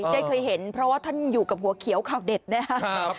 ได้เคยเห็นเพราะว่าท่านอยู่กับหัวเขียวข่าวเด็ดนะครับ